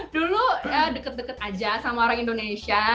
dulu deket deket aja sama orang indonesia